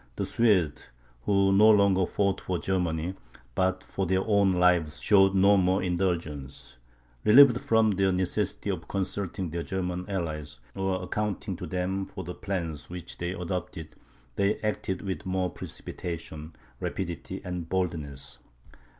The Swedes, who no longer fought for Germany, but for their own lives, showed no more indulgence; relieved from the necessity of consulting their German allies, or accounting to them for the plans which they adopted, they acted with more precipitation, rapidity, and boldness.